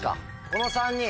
この３人。